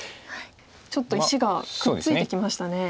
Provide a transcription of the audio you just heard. ちょっと石がくっついてきましたね。